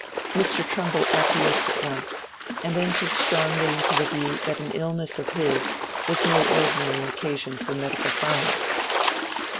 Mr. Trumbull acquiesced at once, and entered strongly into the view that an illness of his was no ordinary occasion for medical science.